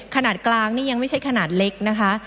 ขนาดกลางนี่ยังไม่ใช่ขนาดเล็กนะคะ